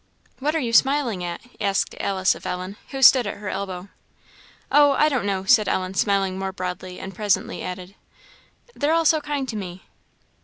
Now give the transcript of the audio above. "What are you smiling at?" asked Alice of Ellen, who stood at her elbow. "Oh, I don't know," said Ellen, smiling more broadly; and presently added "they're all so kind to me."